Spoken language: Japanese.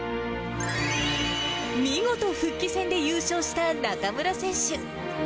見事、復帰戦で優勝した中村選手。